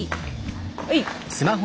はい。